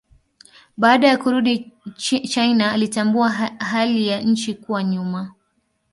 Baada ya kurudi China alitambua hali ya nchi kuwa nyuma.